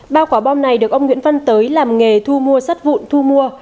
ba quả bom này được ông nguyễn văn tới làm nghề thu mua sắt vụn thu mua